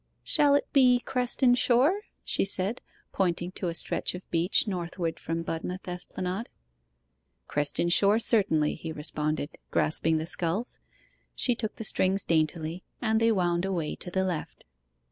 'Shall it be Creston Shore?' she said, pointing to a stretch of beach northward from Budmouth Esplanade. 'Creston Shore certainly,' he responded, grasping the sculls. She took the strings daintily, and they wound away to the left.